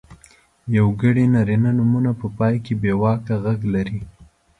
یوګړي نرينه نومونه په پای کې بېواکه غږ لري.